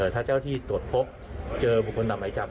ถ้าเจ้าที่ตรวจพบเจอบุคคลตามหมายจับ